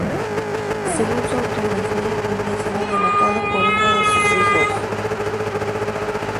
Según su autobiografía, había sido delatado por uno de sus hijos.